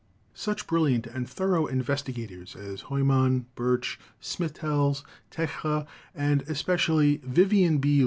Such brilliant and thorough investigators as Heumann, Burch, Smithells, Techla, and especially Vivian B.